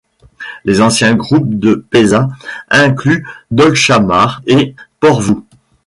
Les anciens groupes de Peisa incluent Dolchamar et Porvoo.